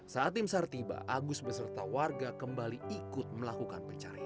saat tim sar tiba agus beserta warga kembali ikut melakukan pencarian